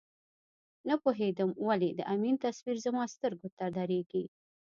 نه پوهېدم ولې د امین تصویر زما سترګو ته درېږي.